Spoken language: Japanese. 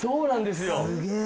すげえ！